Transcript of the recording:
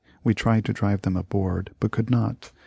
We tried to drive them aboard, but could not.